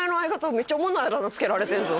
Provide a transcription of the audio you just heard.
「めっちゃおもんないあだ名付けられてんぞ」